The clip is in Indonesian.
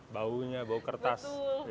baunya bau kertas